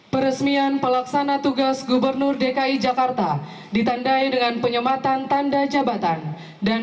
peresmian pelaksana tugas gubernur dki jakarta ditandai dengan penyematan tanda jabatan dan